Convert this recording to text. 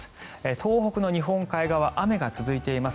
東北の日本海側雨が続いています。